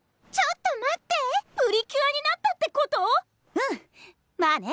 うんまあね！